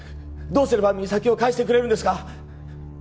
どうすれば実咲を返してくれるんですか？